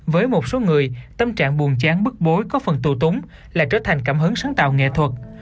với một số người tâm trạng buồn chán bức bối có phần tù tống lại trở thành cảm hứng sáng tạo nghệ thuật